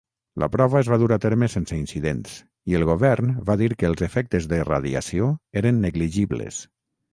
La prova es va dur a terme sense incidents, i el govern va dir que els efectes de radiació eren negligibles.